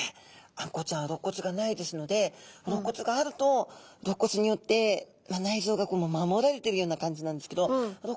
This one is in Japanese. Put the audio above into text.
あんこうちゃんはろっ骨がないですのでろっ骨があるとろっ骨によって内臓が守られてるような感じなんですけどなるほど。